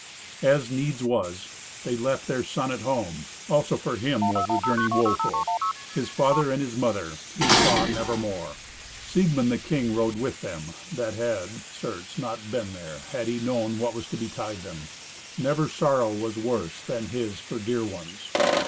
As needs was, they left their son at home. Also for him was the journey woeful: his father and his mother he saw nevermore. Siegmund, the king, rode with them, that had, certes, not been there, had he known what was to betide them. Never sorrow was worse than his for dear ones.